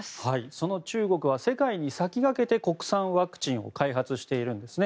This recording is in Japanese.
その中国は世界に先駆けて国産ワクチンを開発しているんですね。